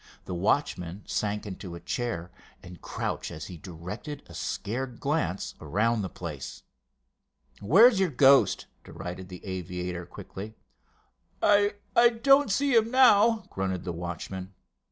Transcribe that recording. The watchman sank to a chair and crouched as he directed a scared glance around the place. "Where's your ghost?" derided the aviator quickly. "I—I don't see him now," grunted the watchman.